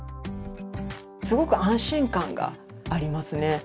すごく安心感がありますね。